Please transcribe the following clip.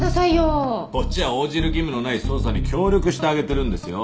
こっちは応じる義務のない捜査に協力してあげてるんですよ。